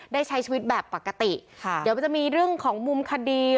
ใช้ชีวิตแบบปกติค่ะเดี๋ยวมันจะมีเรื่องของมุมคดี